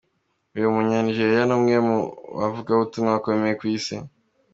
Uyu munya Nijeriya ni umwe mu bavugabutumwa bakomeye ku isi.